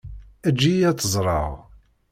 Eǧǧ-iyi ad tt-ẓreɣ.